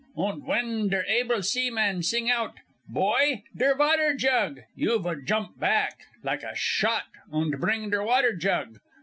Und ven der able seaman sing out, 'Boy, der water jug!' you vood jump quick, like a shot, und bring der water jug.